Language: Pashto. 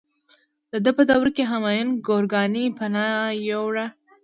د ده په دوره کې همایون ګورکاني پناه یووړه.